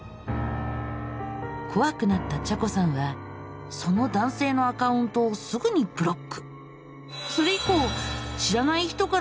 怖くなったちゃこさんはその男せいのアカウントをすぐにブロック。